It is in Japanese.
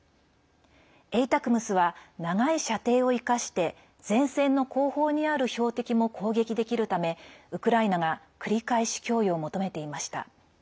ＡＴＡＣＭＳは長い射程を生かして前線の後方にある標的も攻撃できるためウクライナが繰り返し供与を求めていました。